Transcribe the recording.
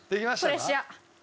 プレッシャー。